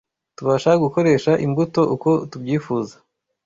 Tubasha gukoresha imbuto uko tubyifuza